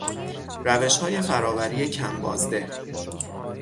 روشهای فرآوری کم بازده